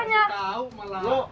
tidak tahu malah